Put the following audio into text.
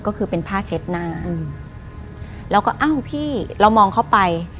ก็คือเป็นผ้าเช็ดหน้าอืมแล้วก็อ้าวพี่เรามองเข้าไป